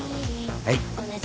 はい。